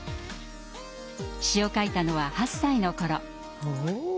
詩を書いたのは８歳の頃。